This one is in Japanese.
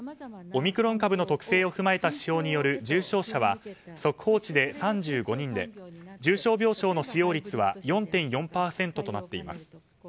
オミクロン株の特性を踏まえた指標による重症者は速報値で３５人で重症病床の使用率は４．４％となっています。